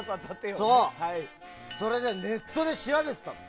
それでネットで調べてたの。